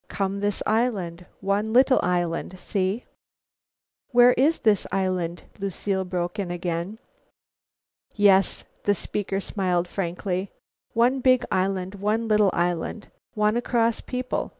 Come this island, one little island. See?" "Where is this island?" Lucile broke in again. "Yes," the speaker smiled frankly, "one big island, one little island. Wanna cross people.